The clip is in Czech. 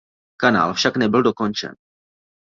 Kanál však nebyl dokončen.